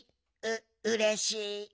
ううれしい。